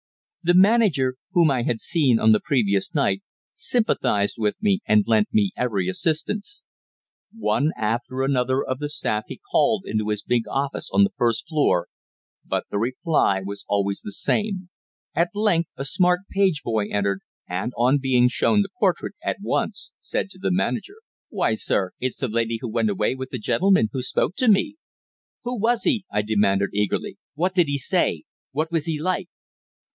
The manager, whom I had seen on the previous night, sympathized with me, and lent me every assistance. One after another of the staff he called into his big office on the first floor, but the reply was always the same. At length a smart page boy entered, and, on being shown the portrait, at once said to the manager "Why, sir, that's the lady who went away with the gentleman who spoke to me!" "Who was he?" I demanded eagerly. "What did he say? What was he like?"